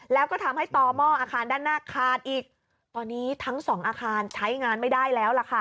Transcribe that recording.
แล้วก็ทำให้ต่อหม้ออาคารด้านหน้าขาดอีกตอนนี้ทั้งสองอาคารใช้งานไม่ได้แล้วล่ะค่ะ